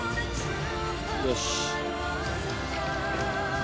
よし。